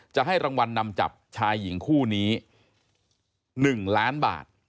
จะให้รางวัลนำจับชายหญิงคู่นี้๑ล้านบาท